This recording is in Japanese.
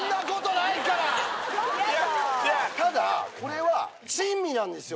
ただこれは珍味なんですよ。